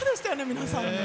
皆さんね。